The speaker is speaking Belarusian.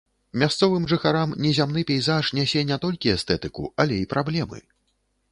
Мясцовым жыхарам незямны пейзаж нясе не толькі эстэтыку, але і праблемы.